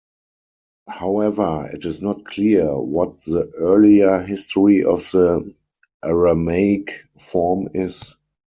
However, it is not clear what the earlier history of the Aramaic form is.